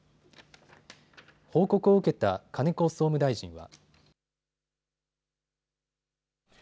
報告を受けた金子総務大臣は。